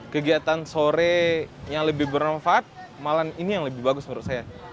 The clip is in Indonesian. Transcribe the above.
kegiatan sore yang lebih bermanfaat malah ini yang lebih bagus menurut saya